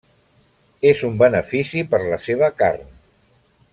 És un benefici per la seva carn.